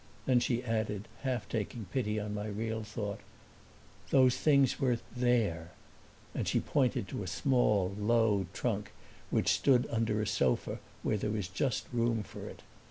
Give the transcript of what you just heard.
Then she added, half taking pity on my real thought, "Those things were THERE." And she pointed to a small, low trunk which stood under a sofa where there was just room for it.